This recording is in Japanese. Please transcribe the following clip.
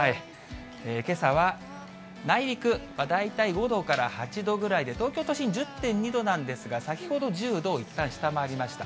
けさは内陸、大体５度から８度ぐらいで、東京都心１０．２度なんですが、先ほど１０度をいったん下回りました。